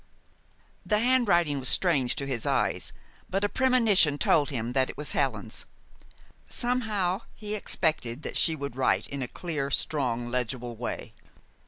The handwriting was strange to his eyes; but a premonition told him that it was Helen's. Somehow, he expected that she would write in a clear, strong, legible way.